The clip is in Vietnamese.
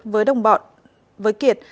với đồng bọt với kiệt